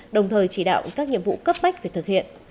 đồng thời chỉ đạo các nhiệm vụ cấp bách về thực hiện